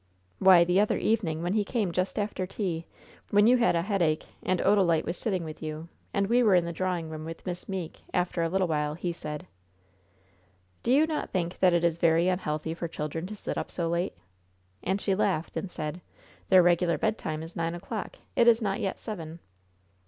Why, the other evening, when he came just after tea, when you had a headache and Odalite was sitting with you, and we were in the drawing room with Miss Meeke, after a little while, he said: "'Do you not think that it is very unhealthy for children to sit up so late?' "And she laughed and said: "'Their regular bedtime is nine o'clock. It is not yet seven.'